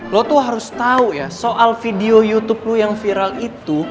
lo tuh harus tahu ya soal video youtube lo yang viral itu